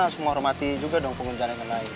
langsung menghormati juga dong pengguna jalanan yang lain